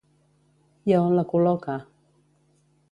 I a on la col·loca?